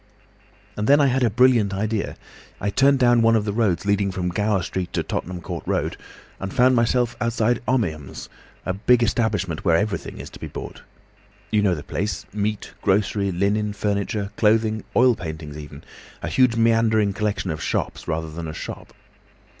"And then I had a brilliant idea. I turned down one of the roads leading from Gower Street to Tottenham Court Road, and found myself outside Omniums, the big establishment where everything is to be bought—you know the place: meat, grocery, linen, furniture, clothing, oil paintings even—a huge meandering collection of shops rather than a shop.